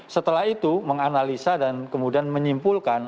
setelah itu menganalisa dan kemudian menyimpulkan